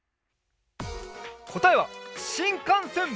こたえはしんかんせん！